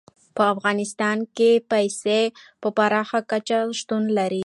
په افغانستان کې پسه په پراخه کچه شتون لري.